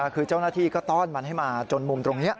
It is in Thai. คือเจ้าหน้าที่ก็ต้อนมันให้มาจนมุมตรงนี้